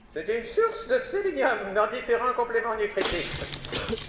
C'est une source de sélénium dans divers compléments nutritifs.